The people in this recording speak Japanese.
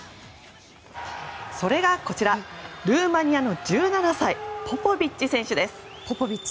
それがこちらルーマニアの１７歳ポポビッチ選手です。